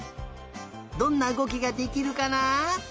どんなうごきができるかな？